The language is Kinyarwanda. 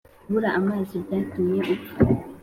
kubura amazi byatuma upfa.